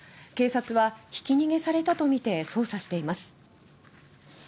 警察は、ひき逃げされたとみて捜査しています。